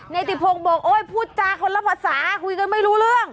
ติพงศ์บอกโอ๊ยพูดจาคนละภาษาคุยกันไม่รู้เรื่อง